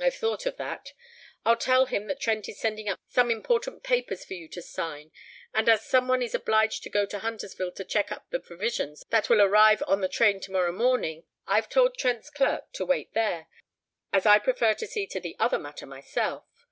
"I've thought of that. I'll tell him that Trent is sending up some important papers for you to sign, and as some one is obliged to go to Huntersville to check up the provisions that will arrive on the train tomorrow morning, I've told Trent's clerk to wait there, as I prefer to see to the other matter myself.